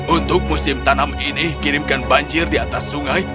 untuk musim tanam ini kirimkan banjir di atas sungai